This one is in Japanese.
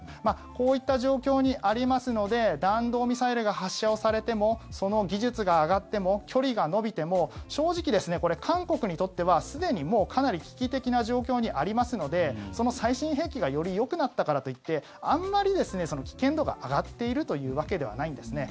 こういった状況にありますので弾道ミサイルが発射をされてもその技術が上がっても距離が延びても正直、韓国にとってはすでにもう、かなり危機的な状況にありますので最新兵器がよりよくなったからといってあんまり危険度が上がっているというわけではないんですね。